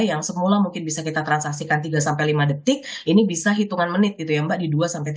yang semula mungkin bisa kita transaksikan tiga sampai lima detik ini bisa hitungan menit gitu ya mbak di dua sampai tiga